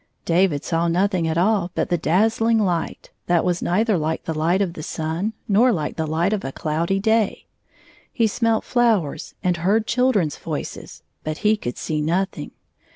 David saw nothing at all but the dazzling light, that was neither like the light of the sun nor hke the light of a cloudy day. He smelt flowers and heard children's voices, but he could see nothing.